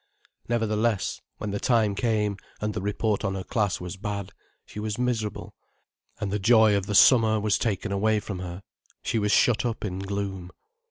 Nevertheless, when the time came, and the report on her class was bad, she was miserable, and the joy of the summer was taken away from her, she was shut up in gloom.